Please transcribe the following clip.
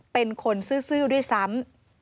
เป็นคนซื่อด้วยซ้ำ